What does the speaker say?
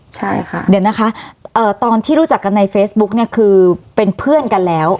ใช่ค่ะเดี๋ยวนะคะตอนที่รู้จักกันในเฟซบุ๊กเนี่ยคือเป็นเพื่อนกันแล้ว